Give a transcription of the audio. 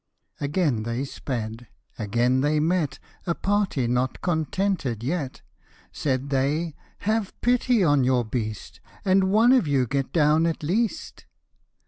Again |hey sped ; again they met A party not contented yet : Said they, " Have pity on your beast. And one of you get down at least."